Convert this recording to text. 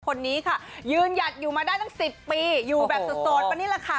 คนนี้ค่ะยืนหยัดอยู่มาได้ตั้ง๑๐ปีอยู่แบบโสดมานี่แหละค่ะ